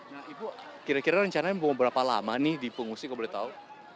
nah ibu kira kira rencananya mau berapa lama nih di pengungsi kalau boleh tahu